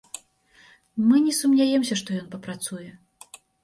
Мы не сумняемся, што ён прапрацуе.